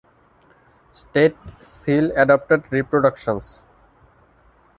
State seal adopted-Reproductions.